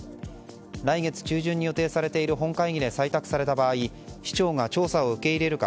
来月中旬に予定されている本会議で採択された場合市長が調査を受け入れるか